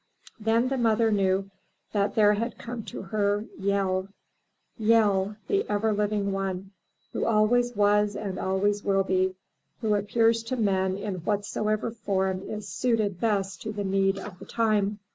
Then the mother knew that there had come to her Yehl — ^Yehl, the ever living one, who always was and always will be, who appears to men in whatsoever form is suited best to the need of the time.